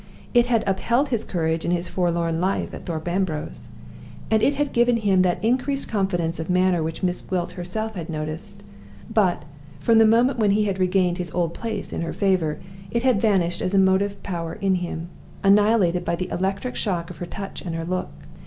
It had upheld his courage in his forlorn life at Thorpe Ambrose, and it had given him that increased confidence of manner which Miss Gwilt herself had noticed; but, from the moment when he had regained his old place in her favor, it had vanished as a motive power in him, annihilated by the electric shock of her touch and her look.